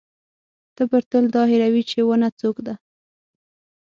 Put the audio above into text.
تبر تل دا هېروي چې ونه څوک ده.